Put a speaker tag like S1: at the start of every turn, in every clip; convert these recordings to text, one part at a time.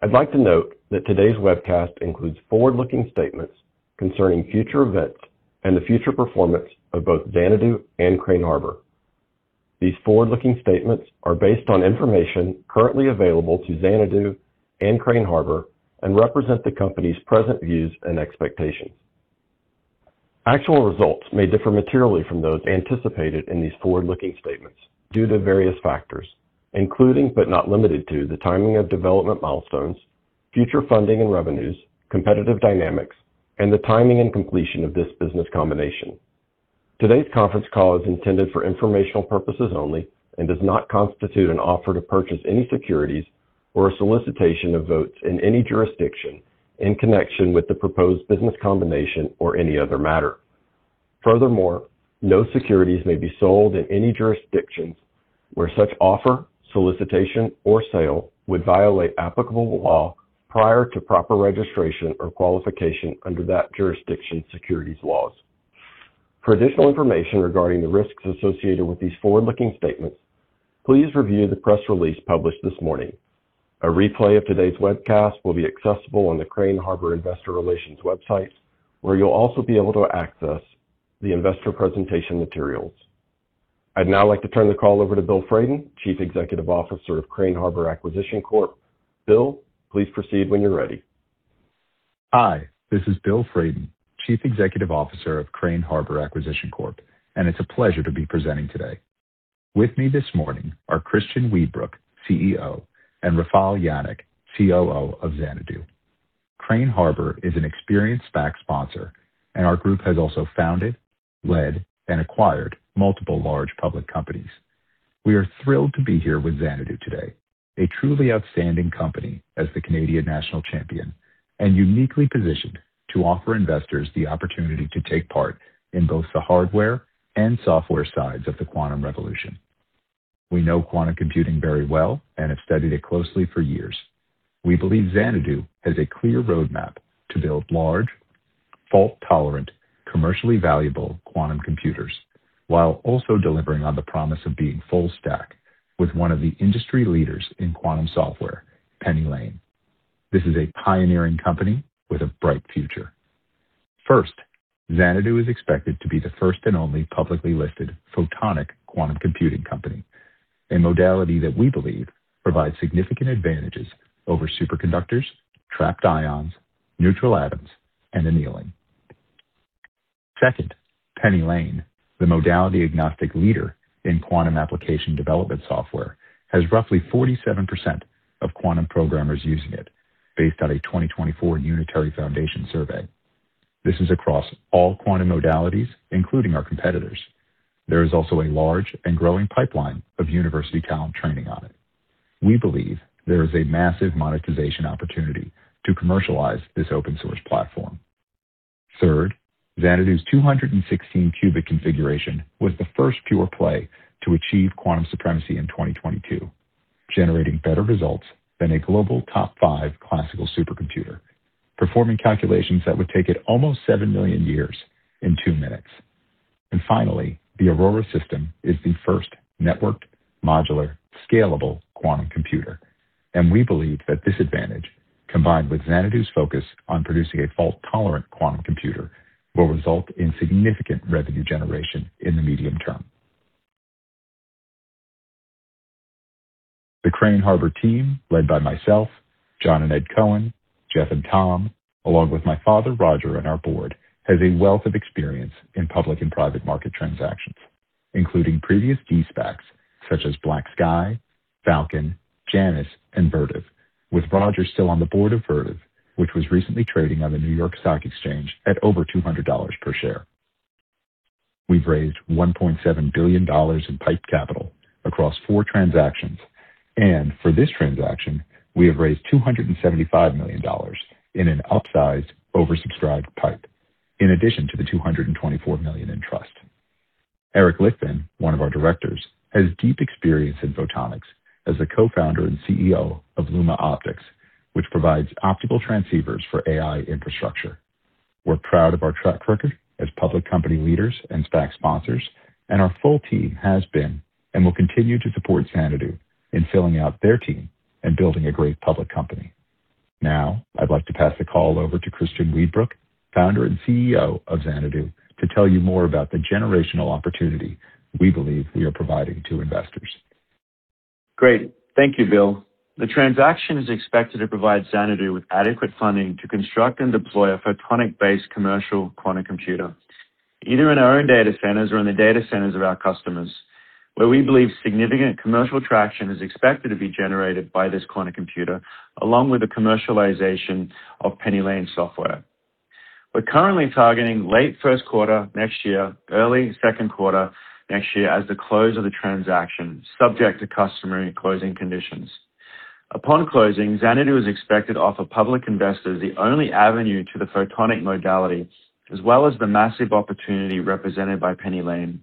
S1: I'd like to note that today's webcast includes forward-looking statements concerning future events and the future performance of both Xanadu and Crane Harbour. These forward-looking statements are based on information currently available to Xanadu and Crane Harbour and represent the company's present views and expectations. Actual results may differ materially from those anticipated in these forward-looking statements due to various factors including, but not limited to, the timing of development milestones, future funding and revenues, competitive dynamics, and the timing and completion of this business combination. Today's conference call is intended for informational purposes only and does not constitute an offer to purchase any securities or a solicitation of votes in any jurisdiction in connection with the proposed business combination or any other matter. Furthermore, no securities may be sold in any jurisdictions where such offer, solicitation, or sale would violate applicable law prior to proper registration or qualification under that jurisdiction's securities laws. For additional information regarding the risks associated with these forward-looking statements, please review the press release published this morning. A replay of today's webcast will be accessible on the Crane Harbour Investor Relations website, where you'll also be able to access the investor presentation materials. I'd now like to turn the call over to Bill Fradin, Chief Executive Officer of Crane Harbour Acquisition Corp. Bill, please proceed when you're ready.
S2: Hi, this is Bill Fradin, Chief Executive Officer of Crane Harbour Acquisition Corp, and it's a pleasure to be presenting today. With me this morning are Christian Weedbrook, CEO, and Rafal Janik, COO of Xanadu. Crane Harbour is an experienced SPAC sponsor, and our group has also founded, led, and acquired multiple large public companies. We are thrilled to be here with Xanadu today, a truly outstanding company as the Canadian National Champion, and uniquely positioned to offer investors the opportunity to take part in both the hardware and software sides of the quantum revolution. We know quantum computing very well and have studied it closely for years. We believe Xanadu has a clear roadmap to build large, fault-tolerant, commercially valuable quantum computers while also delivering on the promise of being full stack with one of the industry leaders in quantum software, PennyLane. This is a pioneering company with a bright future. First, Xanadu is expected to be the first and only publicly listed photonic quantum computing company, a modality that we believe provides significant advantages over superconductors, trapped ions, neutral atoms, and annealing. Second, PennyLane, the modality-agnostic leader in quantum application development software, has roughly 47% of quantum programmers using it based on a 2024 Unitary Fund survey. This is across all quantum modalities, including our competitors. There is also a large and growing pipeline of university talent training on it. We believe there is a massive monetization opportunity to commercialize this open source platform. Third, Xanadu's 216 qubit configuration was the first pure play to achieve quantum supremacy in 2022, generating better results than a global top-five classical supercomputer, performing calculations that would take it almost seven million years in two minutes. Finally, the Aurora system is the first networked, modular, scalable quantum computer, and we believe that this advantage, combined with Xanadu's focus on producing a fault-tolerant quantum computer, will result in significant revenue generation in the medium term. The Crane Harbour team, led by myself, John and Ed Cohen, Jeff and Tom, along with my father, Roger, and our board, has a wealth of experience in public and private market transactions, including previous de-SPACs such as BlackSky, Falcon's Beyond, Janux Therapeutics, and Vertiv, with Roger still on the board of Vertiv, which was recently trading on the New York Stock Exchange at over $200 per share. We've raised $1.7 billion in PIPE capital across four transactions, and for this transaction, we have raised $275 million in an upsized oversubscribed PIPE, in addition to the $224 million in trust. Eric Lichtman, one of our directors, has deep experience in photonics as the Co-Founder and CEO of Luma Optics, which provides optical transceivers for AI infrastructure. We're proud of our track record as public company leaders and SPAC sponsors, and our full team has been and will continue to support Xanadu in filling out their team and building a great public company. Now, I'd like to pass the call over to Christian Weedbrook, Founder and CEO of Xanadu, to tell you more about the generational opportunity we believe we are providing to investors.
S3: Great. Thank you, Bill. The transaction is expected to provide Xanadu with adequate funding to construct and deploy a photonic-based commercial quantum computer, either in our own data centers or in the data centers of our customers, where we believe significant commercial traction is expected to be generated by this quantum computer, along with the commercialization of PennyLane software. We're currently targeting late first quarter next year, early Q2 next year as the close of the transaction, subject to customary closing conditions. Upon closing, Xanadu is expected to offer public investors the only avenue to the photonic modality, as well as the massive opportunity represented by PennyLane.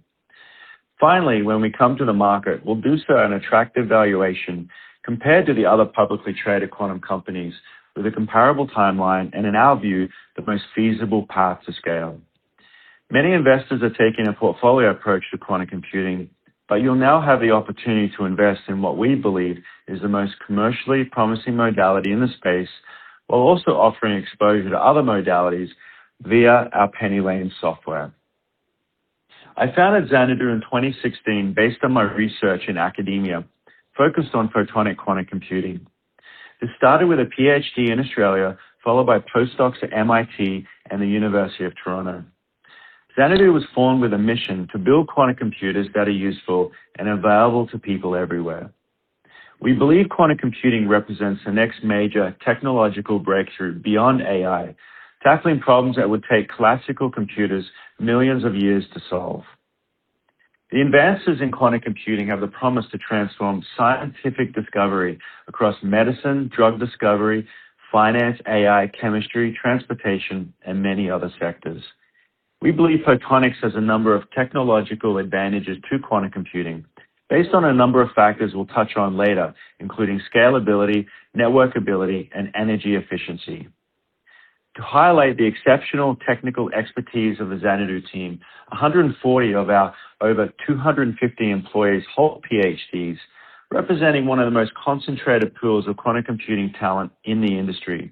S3: Finally, when we come to the market, we'll do so at an attractive valuation compared to the other publicly traded quantum companies with a comparable timeline and, in our view, the most feasible path to scale. Many investors are taking a portfolio approach to quantum computing, but you'll now have the opportunity to invest in what we believe is the most commercially promising modality in the space, while also offering exposure to other modalities via our PennyLane software. I founded Xanadu in 2016 based on my research in academia, focused on photonic quantum computing. It started with a PhD in Australia, followed by postdocs at MIT and the University of Toronto. Xanadu was formed with a mission to build quantum computers that are useful and available to people everywhere. We believe quantum computing represents the next major technological breakthrough beyond AI, tackling problems that would take classical computers millions of years to solve. The advances in quantum computing have the promise to transform scientific discovery across medicine, drug discovery, finance, AI, chemistry, transportation, and many other sectors. We believe photonics has a number of technological advantages to quantum computing based on a number of factors we'll touch on later, including scalability, networkability, and energy efficiency. To highlight the exceptional technical expertise of the Xanadu team, 140 of our over 250 employees hold PhDs, representing one of the most concentrated pools of quantum computing talent in the industry.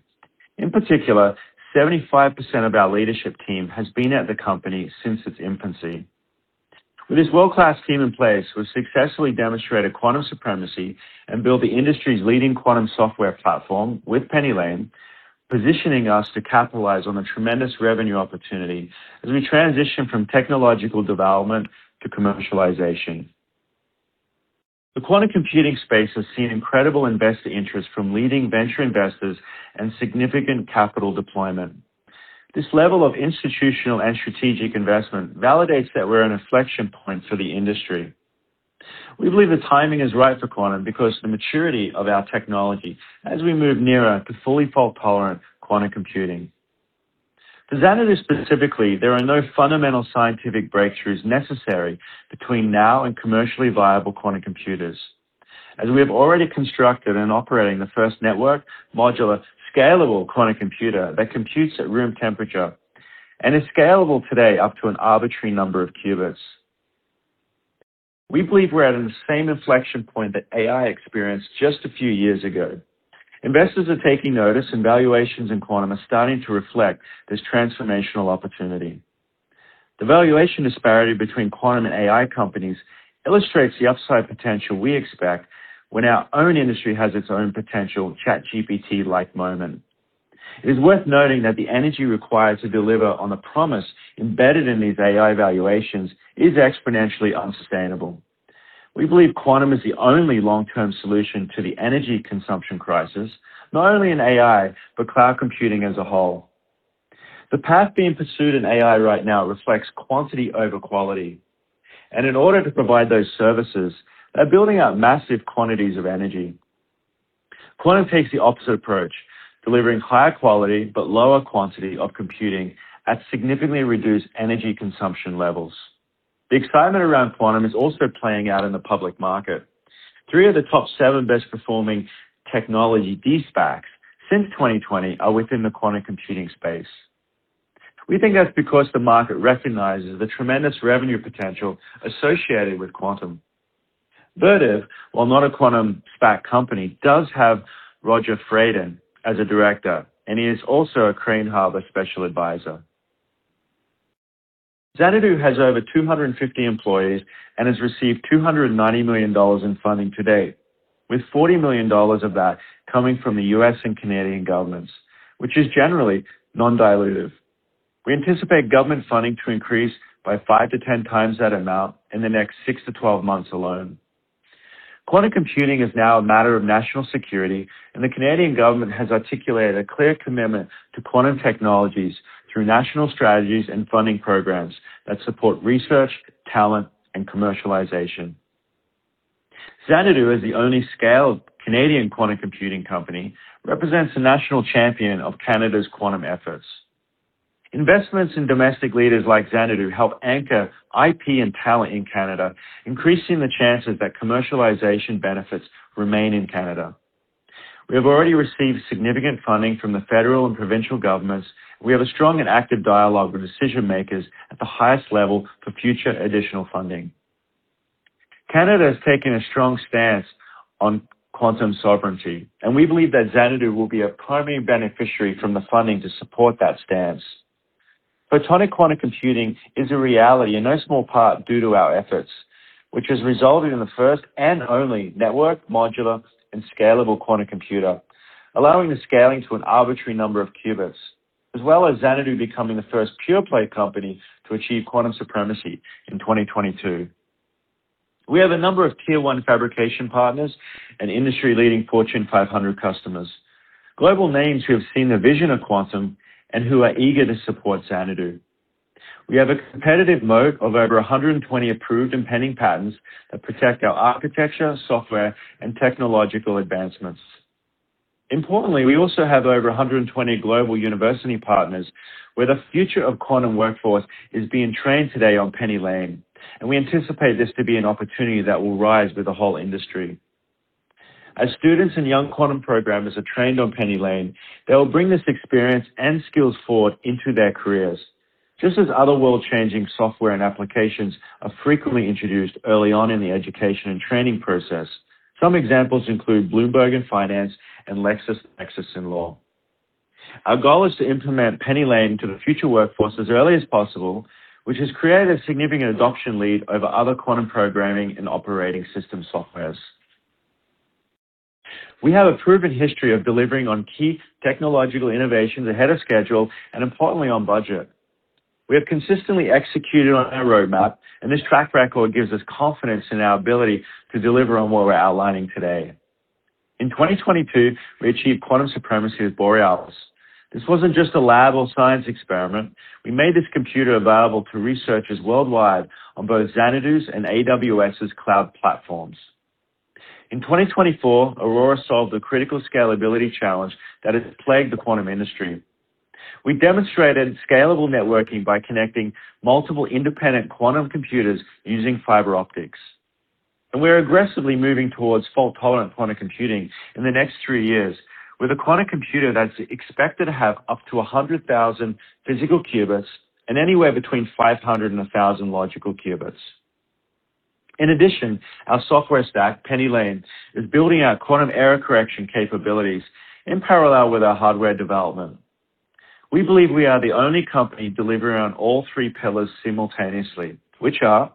S3: In particular, 75% of our leadership team has been at the company since its infancy. With this world-class team in place, we've successfully demonstrated quantum supremacy and built the industry's leading quantum software platform with PennyLane, positioning us to capitalize on the tremendous revenue opportunity as we transition from technological development to commercialization. The quantum computing space has seen incredible investor interest from leading venture investors and significant capital deployment. This level of institutional and strategic investment validates that we're in an inflection point for the industry. We believe the timing is right for quantum because the maturity of our technology as we move nearer to fully fault-tolerant quantum computing. For Xanadu specifically, there are no fundamental scientific breakthroughs necessary between now and commercially viable quantum computers, as we have already constructed and operating the first network modular, scalable quantum computer that computes at room temperature and is scalable today up to an arbitrary number of qubits. We believe we're at the same inflection point that AI experienced just a few years ago. Investors are taking notice, and valuations in quantum are starting to reflect this transformational opportunity. The valuation disparity between quantum and AI companies illustrates the upside potential we expect when our own industry has its own potential ChatGPT-like moment. It is worth noting that the energy required to deliver on the promise embedded in these AI valuations is exponentially unsustainable. We believe quantum is the only long-term solution to the energy consumption crisis, not only in AI, but cloud computing as a whole. The path being pursued in AI right now reflects quantity over quality, and in order to provide those services, they're building out massive quantities of energy. Quantum takes the opposite approach, delivering higher quality but lower quantity of computing at significantly reduced energy consumption levels. The excitement around quantum is also playing out in the public market. Three of the top seven best-performing technology de-SPACs since 2020 are within the quantum computing space. We think that's because the market recognizes the tremendous revenue potential associated with quantum. Vertiv, while not a quantum SPAC company, does have Roger Fradin as a director, and he is also a Crane Harbour special advisor. Xanadu has over 250 employees and has received 290 million dollars in funding to date, with 40 million dollars of that coming from the U.S. and Canadian governments, which is generally non-dilutive. We anticipate government funding to increase by 5-10x that amount in the next six-12 months alone. Quantum computing is now a matter of national security, and the Canadian government has articulated a clear commitment to quantum technologies through national strategies and funding programs that support research, talent, and commercialization. Xanadu, as the only scaled Canadian quantum computing company, represents the national champion of Canada's quantum efforts. Investments in domestic leaders like Xanadu help anchor IP and talent in Canada, increasing the chances that commercialization benefits remain in Canada. We have already received significant funding from the federal and provincial governments. We have a strong and active dialogue with decision-makers at the highest level for future additional funding. Canada has taken a strong stance on quantum sovereignty, and we believe that Xanadu will be a primary beneficiary from the funding to support that stance. Photonic quantum computing is a reality, in no small part due to our efforts, which has resulted in the first and only network modular and scalable quantum computer, allowing the scaling to an arbitrary number of qubits. As well as Xanadu becoming the first pure-play company to achieve quantum supremacy in 2022. We have a number of tier-one fabrication partners and industry-leading Fortune 500 customers. Global names who have seen the vision of quantum and who are eager to support Xanadu. We have a competitive moat of over 120 approved and pending patents that protect our architecture, software, and technological advancements. Importantly, we also have over 120 global university partners, where the future of quantum workforce is being trained today on PennyLane, and we anticipate this to be an opportunity that will rise with the whole industry. As students and young quantum programmers are trained on PennyLane, they will bring this experience and skills forward into their careers. Just as other world-changing software and applications are frequently introduced early on in the education and training process. Some examples include Bloomberg in finance and LexisNexis in law. Our goal is to implement PennyLane into the future workforce as early as possible, which has created a significant adoption lead over other quantum programming and operating system softwares. We have a proven history of delivering on key technological innovations ahead of schedule and importantly, on budget. We have consistently executed on our roadmap, and this track record gives us confidence in our ability to deliver on what we're outlining today. In 2022, we achieved quantum supremacy with Borealis. This wasn't just a lab or science experiment. We made this computer available to researchers worldwide on both Xanadu's and AWS's cloud platforms. In 2024, Aurora solved a critical scalability challenge that has plagued the quantum industry. We demonstrated scalable networking by connecting multiple independent quantum computers using fiber optics. We're aggressively moving towards fault-tolerant quantum computing in the next three years, with a quantum computer that's expected to have up to 100,000 physical qubits and anywhere between 500-1,000 logical qubits. In addition, our software stack, PennyLane, is building our quantum error correction capabilities in parallel with our hardware development. We believe we are the only company delivering on all three pillars simultaneously, which are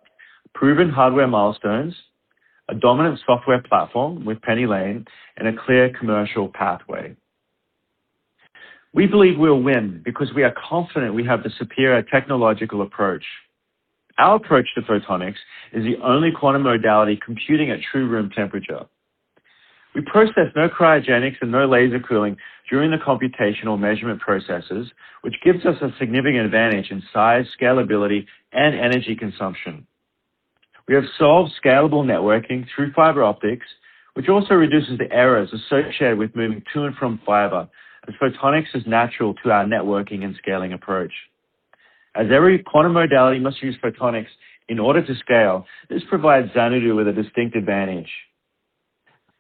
S3: proven hardware milestones, a dominant software platform with PennyLane, and a clear commercial pathway. We believe we'll win because we are confident we have the superior technological approach. Our approach to photonics is the only quantum modality computing at true room temperature. We process no cryogenics and no laser cooling during the computational measurement processes, which gives us a significant advantage in size, scalability, and energy consumption. We have solved scalable networking through fiber optics, which also reduces the errors associated with moving to and from fiber, as photonics is natural to our networking and scaling approach. As every quantum modality must use photonics in order to scale, this provides Xanadu with a distinct advantage.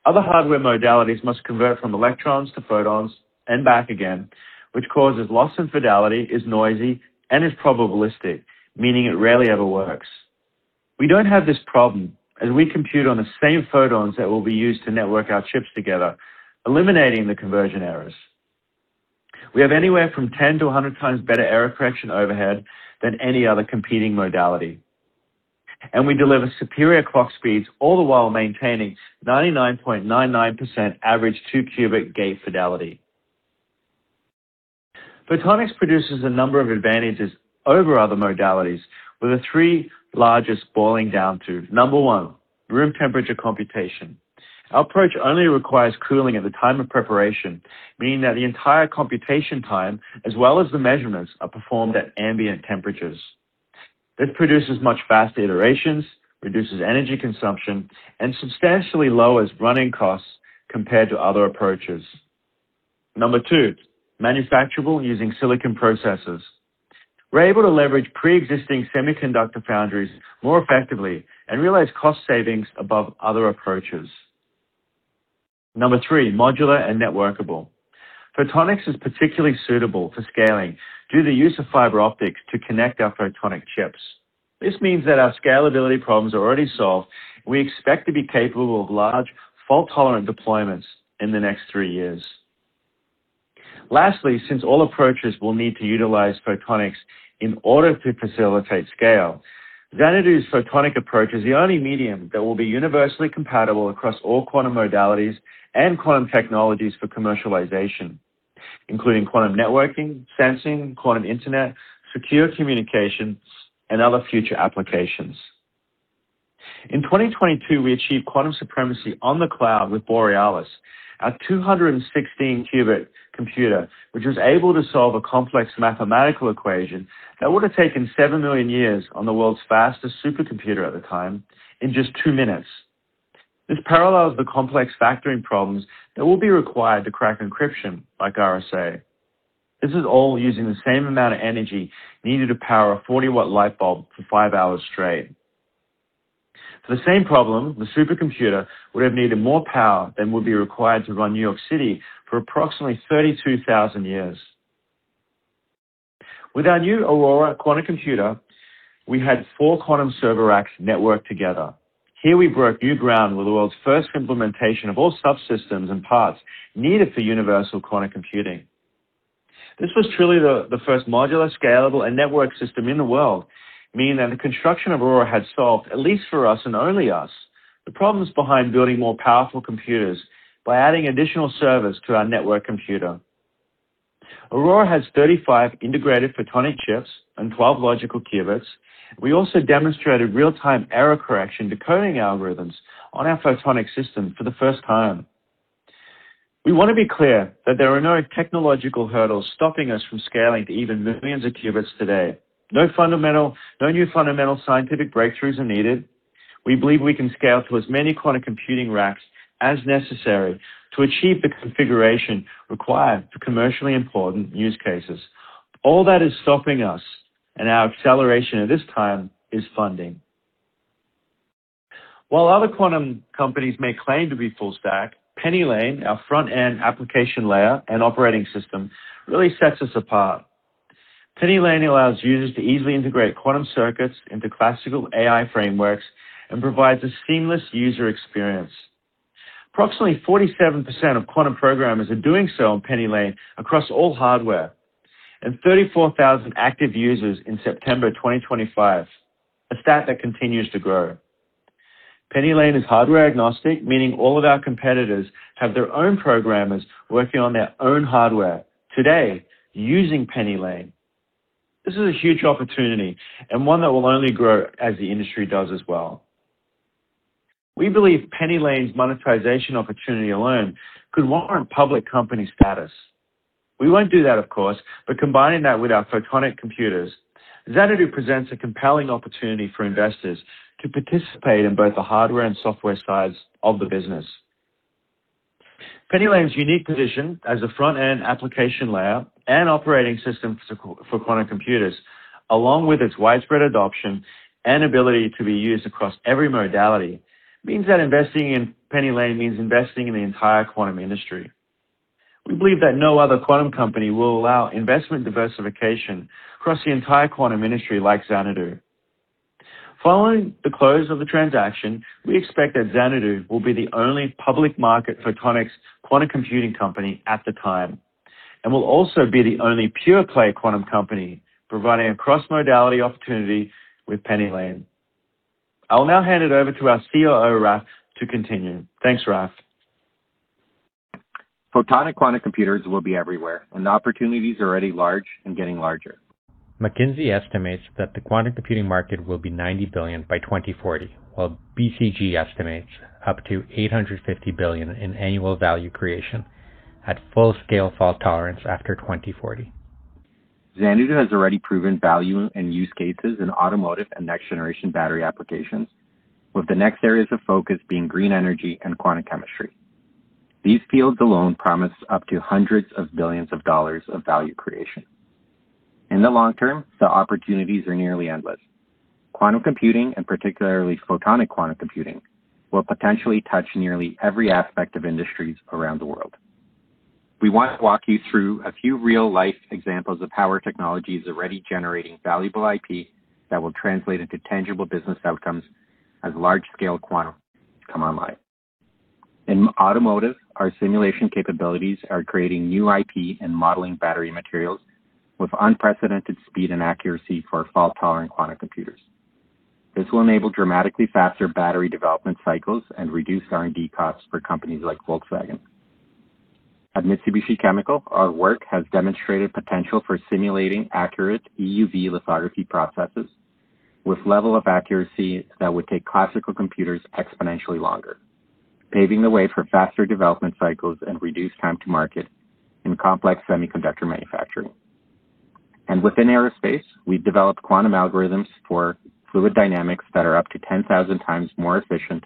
S3: Other hardware modalities must convert from electrons to photons and back again, which causes loss in fidelity, is noisy, and is probabilistic, meaning it rarely ever works. We don't have this problem, as we compute on the same photons that will be used to network our chips together, eliminating the conversion errors. We have anywhere from 10-100 times better error correction overhead than any other competing modality. We deliver superior clock speeds, all the while maintaining 99.99% average two-qubit gate fidelity. Photonics produces a number of advantages over other modalities, with the three largest boiling down to, number one, room temperature computation. Our approach only requires cooling at the time of preparation, meaning that the entire computation time, as well as the measurements, are performed at ambient temperatures. This produces much faster iterations, reduces energy consumption, and substantially lowers running costs compared to other approaches. Number two, manufacturable using silicon processes, we're able to leverage pre-existing semiconductor foundries more effectively and realize cost savings above other approaches. Number three, modular and networkable, photonics is particularly suitable for scaling due to use of fiber optics to connect our photonic chips. This means that our scalability problems are already solved, and we expect to be capable of large fault-tolerant deployments in the next three years. Lastly, since all approaches will need to utilize photonics in order to facilitate scale, Xanadu's photonic approach is the only medium that will be universally compatible across all quantum modalities and quantum technologies for commercialization, including quantum networking, sensing, quantum internet, secure communications, and other future applications. In 2022, we achieved quantum supremacy on the cloud with Borealis, our 216-qubit computer, which was able to solve a complex mathematical equation that would have taken seven million years on the world's fastest supercomputer at the time in just two minutes. This parallels the complex factoring problems that will be required to crack encryption like RSA. This is all using the same amount of energy needed to power a 40-watt light bulb for five hours straight. For the same problem, the supercomputer would have needed more power than would be required to run New York City for approximately 32,000 years. With our new Aurora quantum computer, we had four quantum server racks networked together. Here we broke new ground with the world's first implementation of all subsystems and parts needed for universal quantum computing. This was truly the first modular, scalable, and networked system in the world, meaning that the construction of Aurora had solved, at least for us and only us, the problems behind building more powerful computers by adding additional servers to our network computer. Aurora has 35 integrated photonic chips and 12 logical qubits. We also demonstrated real-time error correction decoding algorithms on our photonic system for the first time. We want to be clear that there are no technological hurdles stopping us from scaling to even millions of qubits today. No new fundamental scientific breakthroughs are needed. We believe we can scale to as many quantum computing racks as necessary to achieve the configuration required for commercially important use cases. All that is stopping us and our acceleration at this time is funding. While other quantum companies may claim to be full stack, PennyLane, our front-end application layer and operating system, really sets us apart. PennyLane allows users to easily integrate quantum circuits into classical AI frameworks and provides a seamless user experience. Approximately 47% of quantum programmers are doing so on PennyLane across all hardware and 34,000 active users in September 2025, a stat that continues to grow. PennyLane is hardware-agnostic, meaning all of our competitors have their own programmers working on their own hardware today using PennyLane. This is a huge opportunity and one that will only grow as the industry does as well. We believe PennyLane's monetization opportunity alone could warrant public company status. We won't do that, of course, but combining that with our photonic computers, Xanadu presents a compelling opportunity for investors to participate in both the hardware and software sides of the business. PennyLane's unique position as a front-end application layer and operating system for quantum computers, along with its widespread adoption and ability to be used across every modality, means that investing in PennyLane means investing in the entire quantum industry. We believe that no other quantum company will allow investment diversification across the entire quantum industry like Xanadu. Following the close of the transaction, we expect that Xanadu will be the only public market photonic quantum computing company at the time, and will also be the only pure-play quantum company providing a cross-modality opportunity with PennyLane. I'll now hand it over to our COO, Raph, to continue. Thanks, Raph.
S4: Photonic quantum computers will be everywhere, and the opportunity is already large and getting larger. McKinsey estimates that the quantum computing market will be $90 billion by 2040, while BCG estimates up to $850 billion in annual value creation at full-scale fault tolerance after 2040. Xanadu has already proven value in use cases in automotive and next-generation battery applications, with the next areas of focus being green energy and quantum chemistry. These fields alone promise up to hundreds of billions of dollars of value creation. In the long term, the opportunities are nearly endless. Quantum computing, and particularly photonic quantum computing, will potentially touch nearly every aspect of industries around the world. We want to walk you through a few real-life examples of how our technology is already generating valuable IP that will translate into tangible business outcomes as large-scale quantum come online. In automotive, our simulation capabilities are creating new IP and modeling battery materials with unprecedented speed and accuracy for fault-tolerant quantum computers. This will enable dramatically faster battery development cycles and reduce R&D costs for companies like Volkswagen. At Mitsubishi Chemical, our work has demonstrated potential for simulating accurate EUV lithography processes with level of accuracy that would take classical computers exponentially longer, paving the way for faster development cycles and reduced time to market in complex semiconductor manufacturing. Within aerospace, we've developed quantum algorithms for fluid dynamics that are up to 10,000 times more efficient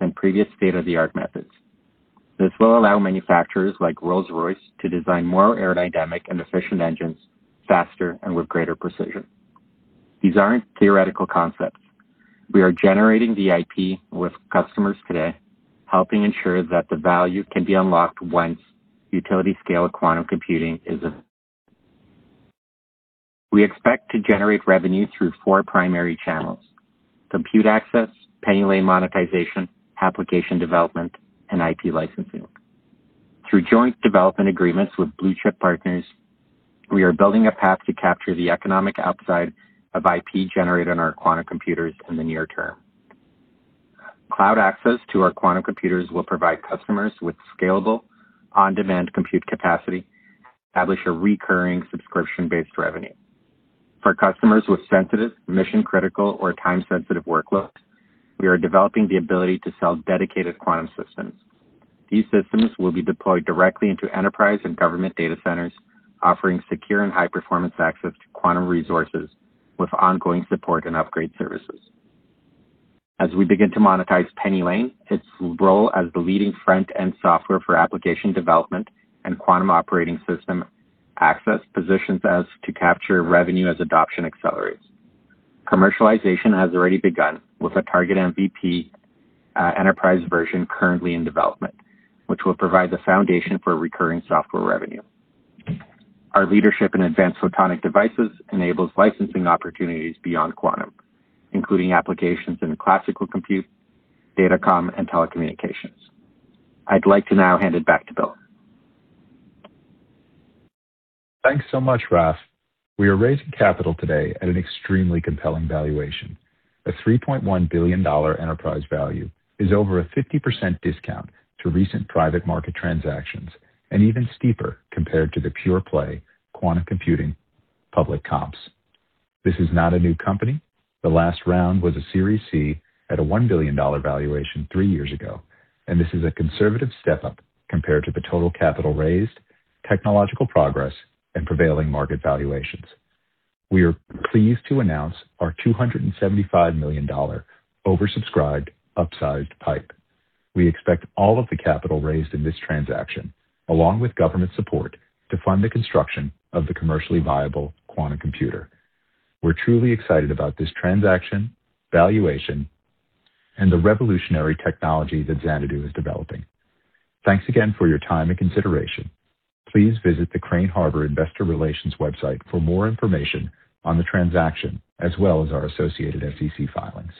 S4: than previous state-of-the-art methods. This will allow manufacturers like Rolls-Royce to design more aerodynamic and efficient engines faster and with greater precision. These aren't theoretical concepts. We are generating the IP with customers today, helping ensure that the value can be unlocked once utility-scale quantum computing is available. We expect to generate revenue through four primary channels, compute access, PennyLane monetization, application development, and IP licensing. Through joint development agreements with blue-chip partners, we are building a path to capture the economic upside of IP generated on our quantum computers in the near term. Cloud access to our quantum computers will provide customers with scalable, on-demand compute capacity, establish a recurring subscription-based revenue. For customers with sensitive mission critical or time-sensitive workloads, we are developing the ability to sell dedicated quantum systems. These systems will be deployed directly into enterprise and government data centers, offering secure and high-performance access to quantum resources with ongoing support and upgrade services. As we begin to monetize PennyLane, its role as the leading front-end software for application development and quantum operating system access positions us to capture revenue as adoption accelerates. Commercialization has already begun with a target MVP, enterprise version currently in development, which will provide the foundation for recurring software revenue. Our leadership in advanced photonic devices enables licensing opportunities beyond quantum, including applications in classical compute, datacom, and telecommunications. I'd like to now hand it back to Bill.
S2: Thanks so much, Raph. We are raising capital today at an extremely compelling valuation. A $3.1 billion enterprise value is over a 50% discount to recent private market transactions and even steeper compared to the pure-play quantum computing public comps. This is not a new company. The last round was a Series C at a $1 billion valuation three years ago, and this is a conservative step up compared to the total capital raised, technological progress, and prevailing market valuations. We are pleased to announce our $275 million oversubscribed upsized PIPE. We expect all of the capital raised in this transaction, along with government support, to fund the construction of the commercially viable quantum computer. We're truly excited about this transaction, valuation, and the revolutionary technology that Xanadu is developing. Thanks again for your time and consideration. Please visit the Crane Harbor investor relations website for more information on the transaction as well as our associated SEC filings.